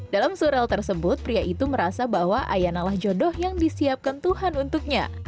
dalam surel tersebut pria itu merasa bahwa ayanalah jodoh yang disiapkan tuhan untuknya